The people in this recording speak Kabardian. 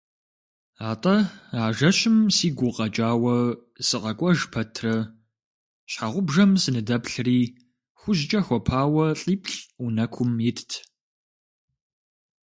Атӏэ, а жэщым сигу укъэкӏауэ сыкъэкӏуэж пэтрэ, щхьэгъубжэм сыныдэплъри, хужькӏэ хуэпауэ лӏиплӏ унэкум итт.